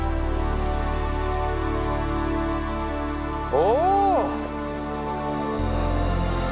おお！